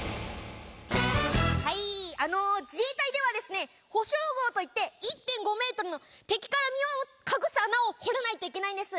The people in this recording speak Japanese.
はい自衛隊ではですねといって１．５ｍの敵から身を隠す穴を掘らないといけないんです。